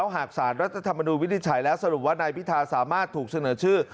หากสารรัฐธรรมนูญวินิจฉัยแล้วสรุปว่านายพิธาสามารถถูกเสนอชื่อ